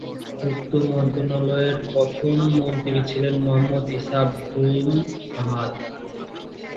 উক্ত মন্ত্রণালয়ের প্রথম মন্ত্রী ছিলেন "মোহাম্মদ ঈসা আবদুল সামাদ"।